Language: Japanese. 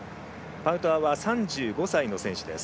パウトワは３５歳の選手です。